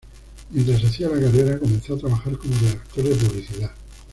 Mientras hacía la carrera comenzó a trabajar como redactor de publicidad.